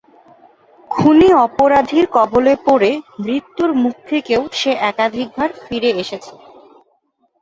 খুনী অপরাধীর কবলে পড়ে, মৃত্যুর মুখ থেকেও সে একাধিকবার ফিরে এসেছে।